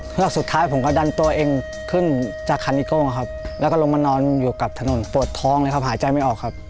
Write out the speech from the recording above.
แล้วสุดท้ายผมก็ดันตัวเองขึ้นจากคันนิโก้ครับแล้วก็ลงมานอนอยู่กับถนนปวดท้องเลยครับหายใจไม่ออกครับ